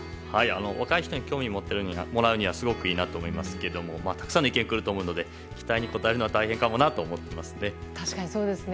若い人に興味を持ってもらうのはいいと思いますけどたくさんの意見が来るので期待に応えるのは大変かもなと思いますね。